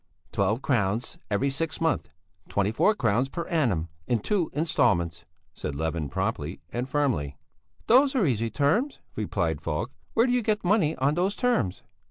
"Twelve crowns every sixth month, twenty four crowns per annum, in two instalments," said Levin promptly and firmly. "Those are easy terms," replied Falk. "Where do you get money on those terms?"